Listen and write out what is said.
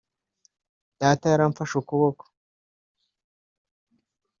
data yari amfashe ukuboko